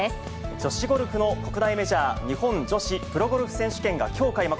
女子ゴルフの国内メジャー日本女子プロゴルフ選手権がきょう開幕。